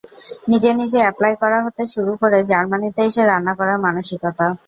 নিজে নিজে অ্যাপ্লাই করা হতে শুরু করে জার্মানিতে এসে রান্না করার মানসিকতা।